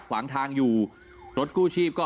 ขวางทางอยู่รถกู้ชีพก็